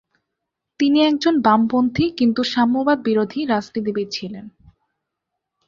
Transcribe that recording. তিনি একজন বামপন্থী, কিন্তু সাম্যবাদ-বিরোধী, রাজনীতিবিদ ছিলেন।